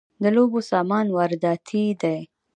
د لوبو سامان وارداتی دی